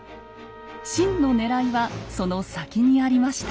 真のねらいはその先にありました。